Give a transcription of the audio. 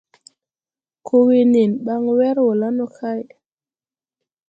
Koo wo nen baŋ wɛr wɔ la no kay.